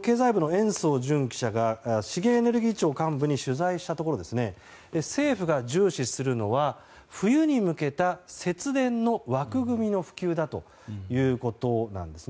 経済部の延増惇記者が資源エネルギー庁幹部に取材したところ政府が重視するのは冬に向けた節電の枠組みの普及だということです。